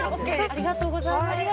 ありがとうございます。